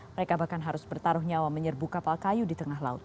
mereka bahkan harus bertaruh nyawa menyerbu kapal kayu di tengah laut